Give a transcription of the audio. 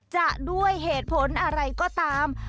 จะด้วยเหตุผลอะไรก็ตาม